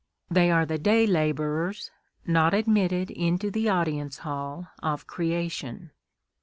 They are the day labourers not admitted into the audience hall of creation.